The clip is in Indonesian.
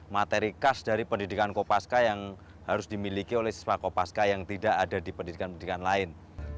materi khas dari pendidikan kopaska yang harus dimiliki oleh siswa kopaska yang tidak ada di pendidikan pendidikan lain